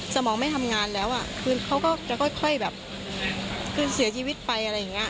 สมองไม่ทำงานแล้วอ่ะคือเขาก็จะค่อยแบบคือเสียชีวิตไปอะไรอย่างนี้